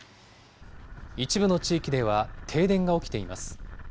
一部の地域では停電が起きています。